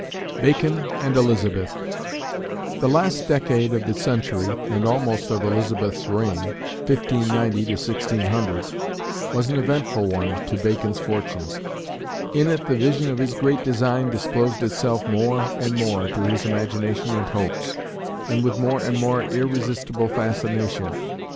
BACON AND ELIZABETH. The last decade of the century, and almost of Elizabeth's reign (1590 1600), was an eventful one to Bacon's fortunes. In it the vision of his great design disclosed itself more and more to his imagination and hopes, and with more and more irresistible fascination.